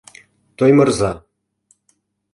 Тоймырза.